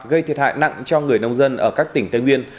gây thiệt hại nặng cho người nông dân ở các tỉnh tây nguyên